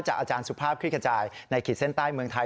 อาจารย์สุภาพคลิกขจายในขีดเส้นใต้เมืองไทย